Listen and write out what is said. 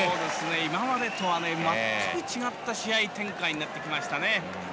今までとは全く違った試合展開になってきましたね。